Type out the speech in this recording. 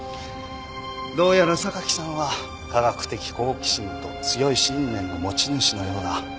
どうやら榊さんは科学的好奇心と強い信念の持ち主のようだ。